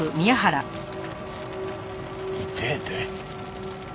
痛えて。